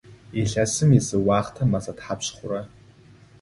Илъэсым изы уахътэ мэзэ тхьапш хъура?